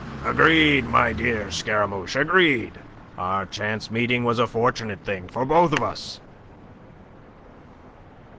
"Agreed, my dear Scaramouche, agreed. Our chance meeting was a fortunate thing for both of us."